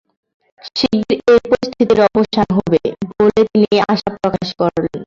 শিগগিরই এই পরিস্থিতির অবসান হবে বলে তিনি আশা প্রকাশ করেন।